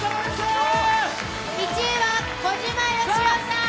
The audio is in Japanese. １位は小島よしおさん。